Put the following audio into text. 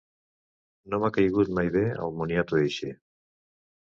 No m’ha caigut mai bé el moniato eixe.